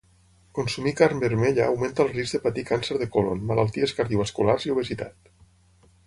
Consumir carn vermella augmenta el risc de patir càncer de còlon, malalties cardiovasculars i obesitat.